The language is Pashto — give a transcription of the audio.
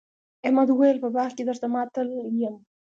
احمد وويل: په باغ کې درته ماتل یم.